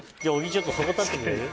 ちょっとそこ立ってくれる？